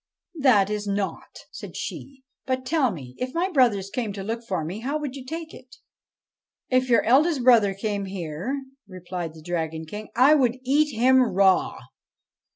' That is nought,' said she. ' But, tell me ; if my brothers came to look for me, how would you take it ?'' If your eldest brother came here,' replied the Dragon King, ' I would eat him raw.